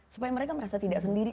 supaya mereka merasa tidak sendiri